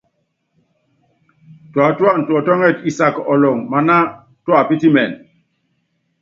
Tuátúan tútɔ́ŋɛt isak ɔlɔŋ maná tuá pitimɛn.